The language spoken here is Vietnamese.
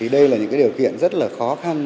đây là những điều kiện rất khó khăn